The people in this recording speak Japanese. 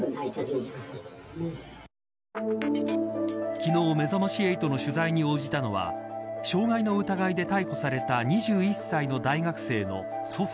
昨日、めざまし８の取材に応じたのは傷害の疑いで逮捕された２１歳の大学生の祖父。